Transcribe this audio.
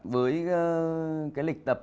với cái lịch tập